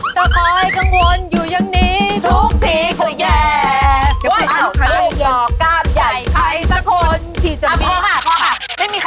จะคอยกังวลอยู่อย่างนี้